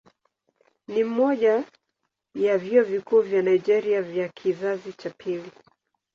Ni mmoja ya vyuo vikuu vya Nigeria vya kizazi cha pili.